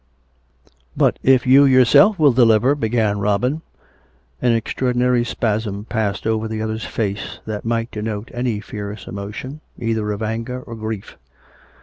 " But if you yourself will deliver " began Robin. An extraordinary spasm passed over the other's face, that might denote any fierce emotion, either of anger or grief.